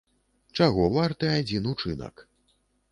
Чаго варты адзін учынак?